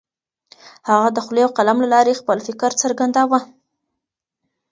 هغه د خولې او قلم له لارې خپل فکر څرګنداوه.